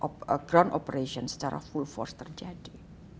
operasi tanpa perang secara penuh terjadi